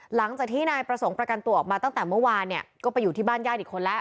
หลังจากที่นายประสงค์ประกันตัวออกมาตั้งแต่เมื่อวานเนี่ยก็ไปอยู่ที่บ้านญาติอีกคนแล้ว